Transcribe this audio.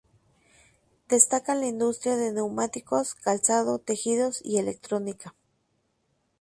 Destacan la industria de neumáticos, calzado, tejidos y electrónica.